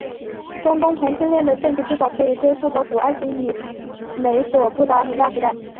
中东同性恋的证据至少可以追溯到古埃及和美索不达米亚时代。